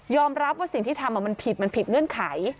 รับว่าสิ่งที่ทำมันผิดมันผิดเงื่อนไข